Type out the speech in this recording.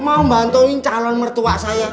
mau bantuin calon mertua saya